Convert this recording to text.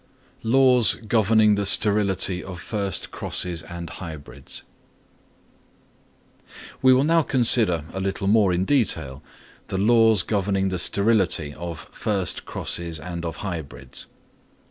Laws governing the Sterility of first Crosses and of Hybrids. We will now consider a little more in detail the laws governing the sterility of first crosses and of hybrids.